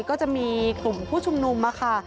ก็จะมีกลุ่มผู้ชุมนุมค่ะ